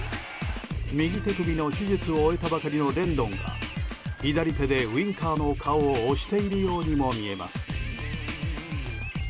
右手首の手術を終えたばかりのレンドンが左手でウインカーの顔を押しているようにも見えます。